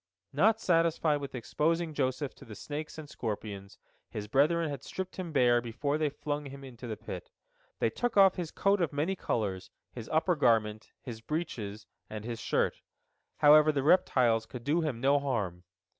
Not satisfied with exposing Joseph to the snakes and scorpions, his brethren had stripped him bare before they flung him into the pit. They took off his coat of many colors, his upper garment, his breeches, and his shirt. However, the reptiles could do him no harm.